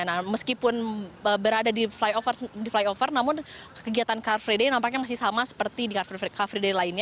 nah meskipun berada di flyover namun kegiatan car free day nampaknya masih sama seperti di car free day lainnya